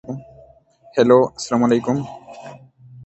Of all of those, Dawn serves the least purpose.